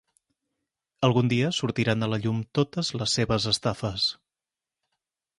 Algun dia sortiran a la llum totes les seves estafes.